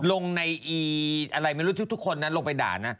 ลงในอีอะไรไม่รู้ทุกคนนะลงไปด่านะ